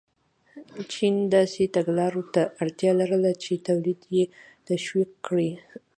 چین داسې تګلارو ته اړتیا لرله چې تولید یې تشویق کړي.